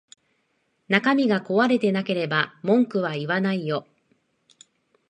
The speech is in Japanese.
中身が壊れてなければ文句は言わないよ